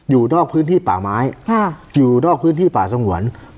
อยู่นอกพื้นที่ป่าไม้อยู่นอกพื้นที่ป่าสงวน